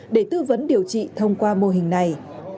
để tư vấn điều trị thông qua mô hình này